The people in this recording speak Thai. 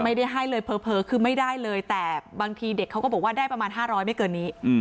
ไม่ได้ให้เลยเผลอคือไม่ได้เลยแต่บางทีเด็กเขาก็บอกว่าได้ประมาณ๕๐๐ไม่เกินนี้